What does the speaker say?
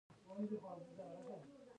د میاشتنۍ ناروغۍ د بندیدو لپاره کوم چای وڅښم؟